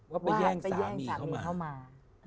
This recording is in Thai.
ก็ไปแย่งสามีเข้ามา